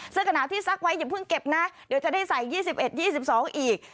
กระหนาวที่ซักไว้อย่าเพิ่งเก็บนะเดี๋ยวจะได้ใส่๒๑๒๒อีก